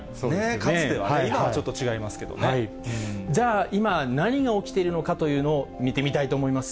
かつてはね、今はちょっと違じゃあ、今、何が起きているのかというのを見てみたいと思います。